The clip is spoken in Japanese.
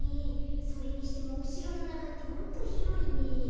それにしてもおしろのなかってホントひろいね。